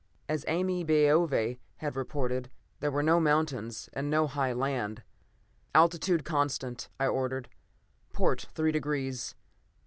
As Ame Baove had reported, there were no mountains, and no high land. "Altitude constant," I ordered. "Port three degrees.